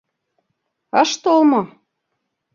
Ыш тол мо?